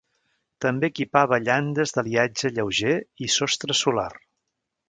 També equipava llandes d'aliatge lleuger, i sostre solar.